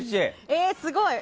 えー、すごい！